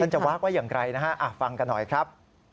ท่านจะวางว่ายังไงฟังกันหน่อยครับ